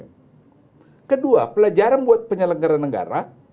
oke kedua pelajaran buat penyelenggaraan negara